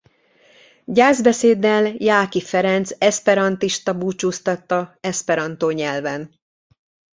Gyászbeszéddel Jáki Ferenc eszperantista búcsúztatta eszperantó nyelven.